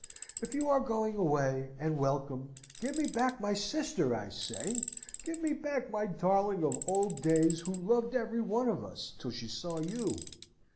If you are going away, and welcome, give me back my sister, I say! Give me back my darling of old days, who loved every one of us, till she saw you.